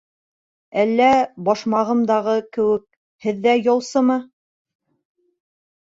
Әллә «Башмағым»дағы кеүек һеҙ ҙә яусымы?